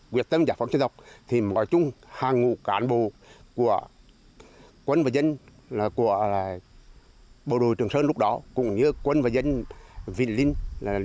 quân và dân của bộ đội trường sơn lúc đó cũng như quân và dân vĩnh linh